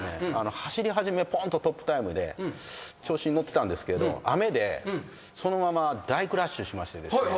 走り始めポンとトップタイムで調子に乗ってたんですけど雨でそのまま大クラッシュしましてですね